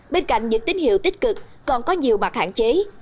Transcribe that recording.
bên cạnh những tín hiệu tích cực còn có nhiều mặt hạn chế